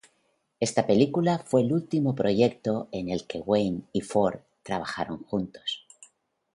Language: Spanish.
Esta película fue el último proyecto en el que Wayne y Ford trabajaron juntos.